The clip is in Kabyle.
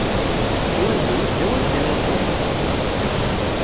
Nwan ddunit d awal kan, waqila?